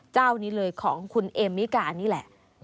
เจ้านี้เลยของคุณเอมมิกานี่แหละ